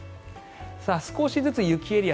少しずつ雪エリア